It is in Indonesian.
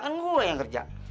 kan gue yang kerja